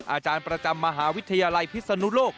อาจารย์ประจำมหาวิทยาลัยพิศนุโลก